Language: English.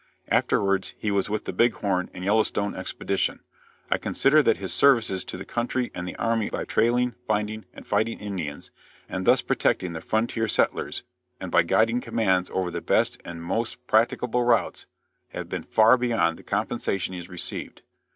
Afterwards he was with the Big Horn and Yellowstone expedition. I consider that his services to the country and the army by trailing, finding and fighting Indians, and thus protecting the frontier settlers, and by guiding commands over the best and most practicable routes, have been far beyond the compensation he has received.